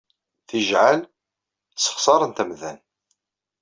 Tijeɛɛal ssexṣaren-t amdan.